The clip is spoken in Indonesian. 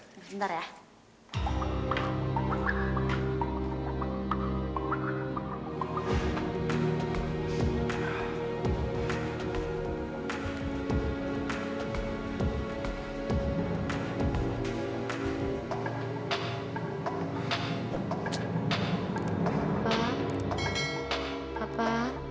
dia anakku mas dia anak kita